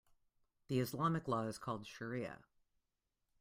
The Islamic law is called shariah.